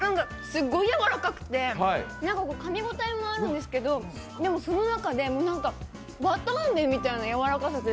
すっごいやわらかくてかみ応えもあるんですけど、でもその中で、綿あめみたい。